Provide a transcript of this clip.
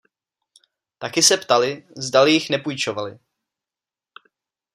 Taky se ptali, zdali jich nepůjčovali.